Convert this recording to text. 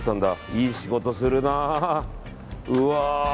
いい仕事するな。